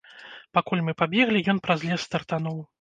Пакуль мы пабеглі, ён праз лес стартануў.